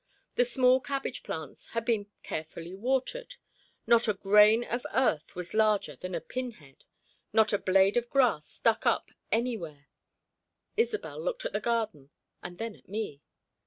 The small cabbage plants had been carefully watered. Not a grain of earth was larger than a pin head. Not a blade of grass stuck up anywhere. Isobel looked at the garden, and then at me.